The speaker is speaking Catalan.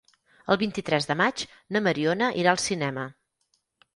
El vint-i-tres de maig na Mariona irà al cinema.